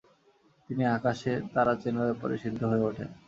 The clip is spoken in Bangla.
তিনি আকাশের তারা চেনার ব্যাপারে সিদ্ধ হয়ে উঠেন।